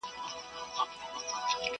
عمر ځکه ډېر کوي چي پوه په کار دی.!